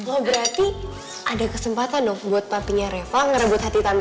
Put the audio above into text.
oh berarti ada kesempatan dong buat papinya reva ngerebut hati tante